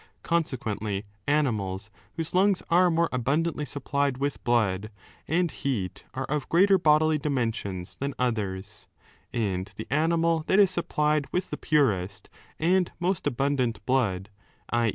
Consequently, animals 3 whose lungs are more abundantly supplied with blood and heat are of greater bodily dimensions than others ; and the animal that is supplied with the purest and most abundant blood, i.